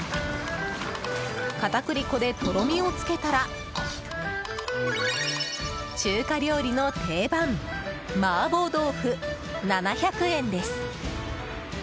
片栗粉でとろみをつけたら中華料理の定番マーボー豆腐、７００円です。